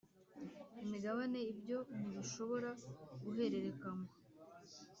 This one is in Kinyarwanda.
imigabane Ibyo ntibishobora guhererekanywa